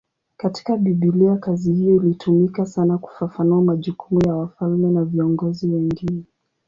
Katika Biblia kazi hiyo ilitumika sana kufafanua majukumu ya wafalme na viongozi wengine.